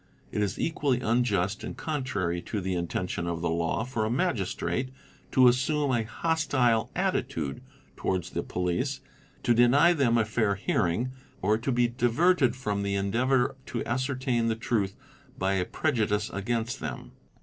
It is equally unjust and contrary to the intention of the law for a Magistrate to assume a hostile attitude towards the police, to deny them a fair hearing, or to be diverted from the endeavour to ascertain the truth by a prejudice against them."